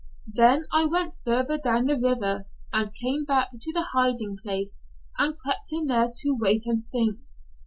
Then I went farther down the river and came back to the hiding place and crept in there to wait and think.